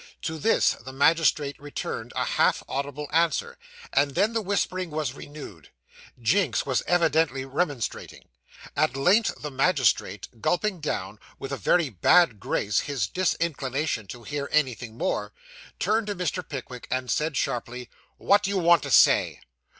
To this, the magistrate returned a half audible answer, and then the whispering was renewed. Jinks was evidently remonstrating. At length the magistrate, gulping down, with a very bad grace, his disinclination to hear anything more, turned to Mr. Pickwick, and said sharply, 'What do you want to say?